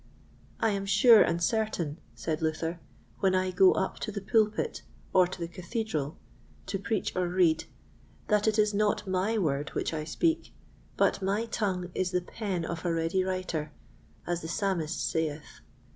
'" "I am sure and certain," said Luther, "when I go up to the pulpit, or to the cathedral, to preach or read, that it is not my word which I speak, but my tongue is the pen of a ready writer, as the Psalmist saith.